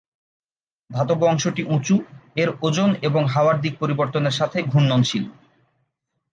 ধাতব অংশটি উঁচু, এর ওজন এবং হাওয়ার দিক পরিবর্তনের সাথে ঘূর্ণনশীল।